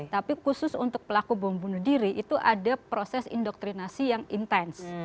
tapi khusus untuk pelaku bom bunuh diri itu ada proses indoktrinasi yang intens